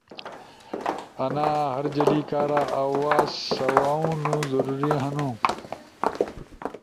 انا ہر جلی کارا آواز سواؤنو ضروری ہنو۔